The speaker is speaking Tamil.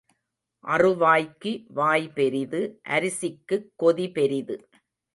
அறுவாய்க்கு வாய்பெரிது அரிசிக்குக் கொதி பெரிது.